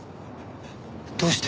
どうして？